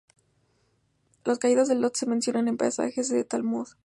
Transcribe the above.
Los "Caídos de Lod" se mencionan en pasajes del Talmud.